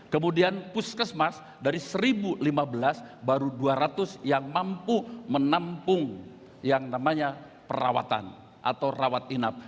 kemudian puskesmas dari satu lima belas baru dua ratus yang mampu menampung yang namanya perawatan atau rawat inap